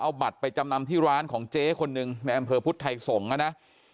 เอาบัตรไปจำนำที่ร้านของเจ๊คนหนึ่งในอำเภอพุทธไทยสงศ์นะ